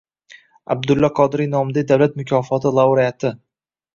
Abdulla Qodiriy nomidagi Davlat mukofoti laureati